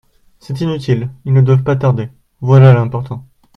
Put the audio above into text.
C’est inutile ; ils ne doivent pas tarder ; voilà l’important…